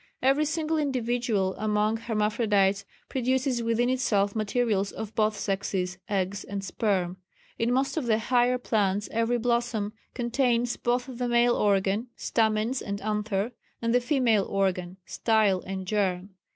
Every single individual among hermaphrodites produces within itself materials of both sexes eggs and sperm. In most of the higher plants every blossom contains both the male organ (stamens and anther) and the female organ (style and germ).